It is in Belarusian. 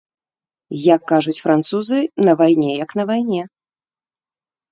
Як кажуць французы, на вайне як на вайне.